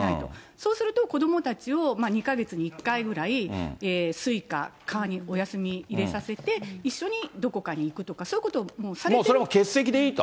そうすると子どもたちを２か月に１回ぐらい水、火、火にお休みを入れて、一緒にどこかに行くとか、そういうことを申もう欠席でいいと。